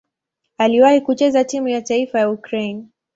Aliwahi kucheza timu ya taifa ya Ukraine.